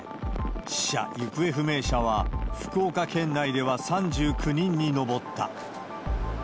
死者・行方不明者は、福岡県内では３９人に上った。